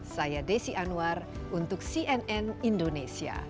saya desi anwar untuk cnn indonesia